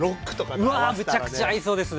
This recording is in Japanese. うわめちゃくちゃ合いそうですね！